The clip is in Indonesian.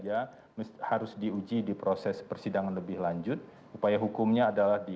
ini saja harus diuji di proses persidangan lebih lanjut upaya hukumnya adalah dikasasi